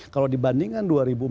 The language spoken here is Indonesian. kalau dibandingkan dua ribu empat belas